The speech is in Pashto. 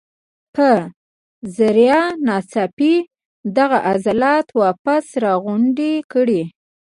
پۀ ذريعه ناڅاپي دغه عضلات واپس راغونډ کړي